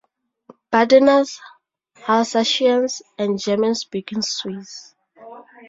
Badeners, Alsatians, and German-speaking Swiss.